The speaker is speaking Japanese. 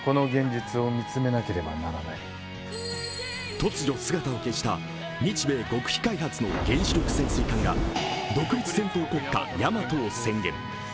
突如姿を消した日米極秘開発の原子力潜水艦が独立戦闘国家「やまと」を宣言。